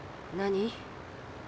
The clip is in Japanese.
何？